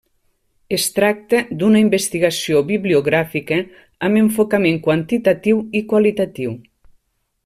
Es tracta d'una investigació bibliogràfica amb enfocament quantitatiu i qualitatiu.